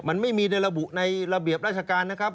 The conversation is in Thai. มันไม่มีในระบุในระเบียบราชการนะครับ